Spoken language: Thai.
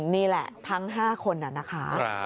นี่แหละทั้ง๕คนนะคะ